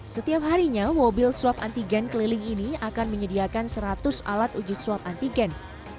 setiap harinya mobil swab antigen keliling ini akan menyediakan seratus alat uji swab antigen